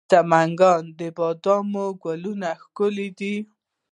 د سمنګان د بادامو ګلونه ښکلي دي.